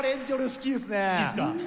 好きですか？